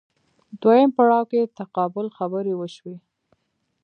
دویم پړاو کې تقابل خبرې وشوې